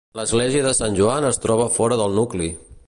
L'església de Sant Joan es troba fora del nucli.